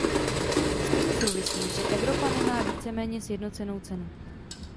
S tím souvisí, že Evropa nemá víceméně sjednocenou cenu.